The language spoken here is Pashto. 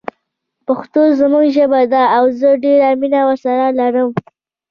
پښتو زموږ ژبه ده او زه ډیره مینه ورسره لرم